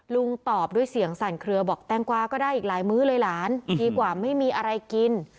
ตอบด้วยเสียงสั่นเคลือบอกแตงกวาก็ได้อีกหลายมื้อเลยหลานดีกว่าไม่มีอะไรกิน